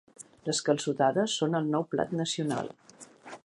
Les calçotades són el nou plat nacional?